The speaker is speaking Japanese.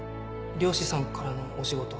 漁師さんからのお仕事。